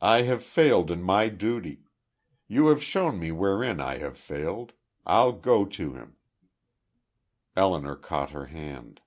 "I have failed in my duty; you have shown me wherein I have failed. I'll go to him." Elinor caught her hand.